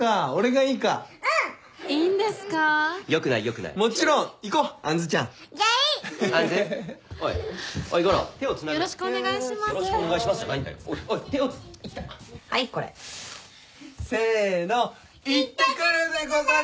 いってくるでござる！